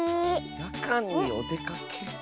やかんにおでかけ。